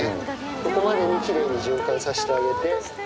そこまでにきれいに循環させてあげて。